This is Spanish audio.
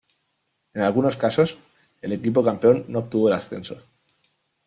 En algunos casos, el equipo campeón no obtuvo el ascenso.